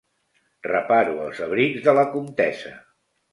Reparo els abrics de la comtessa.